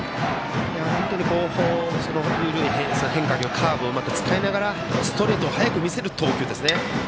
本当に緩い変化球カーブをうまく使いながらストレートを速く見せる投球です。